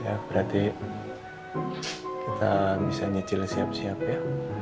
ya berarti kita misalnya nyicil siap siap ya